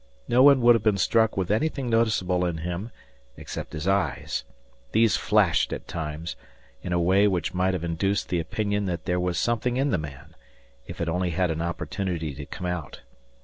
No one would have been struck with anything noticeable in him except his eyes. These flashed at times, in a way which might have induced the opinion that there was something in the man, if it only had an opportunity to come out.